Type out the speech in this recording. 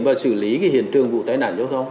và xử lý cái hiện trường vụ tai nạn giao thông